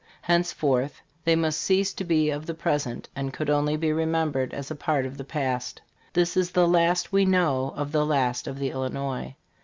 Henceforth they must cease to be of the present, and could only be remembered as a part o*f the past. This is the last we know of the last of the Illinois.